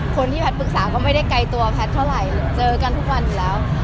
แพทย์ปรึกษาก็ไม่ได้ไกลตัวแพทย์เท่าไหร่เจอกันทุกวันอยู่แล้ว